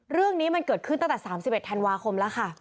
เรื่องนี้มันเกิดขึ้นตั้งแต่๓๑ธันวาคมแล้วค่ะ